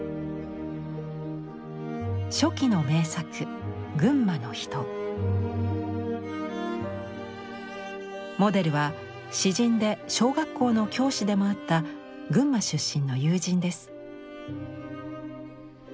初期の名作モデルは詩人で小学校の教師でもあった群馬出身の友人です。